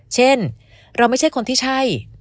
เช่นเราไม่ใช่คนที่ใช่